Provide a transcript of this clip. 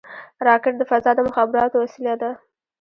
راکټ د فضا د مخابراتو وسیله ده